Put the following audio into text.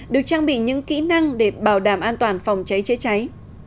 được trang bị những kỹ năng để bảo đảm an toàn phòng cháy chữa cháy